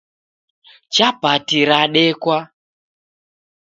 Chapati radekwa